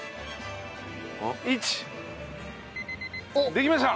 できました！